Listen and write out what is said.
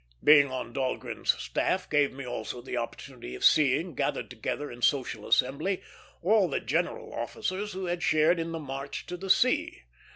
Being on Dahlgren's staff gave me also the opportunity of seeing, gathered together in social assembly, all the general officers who had shared in the March to the Sea.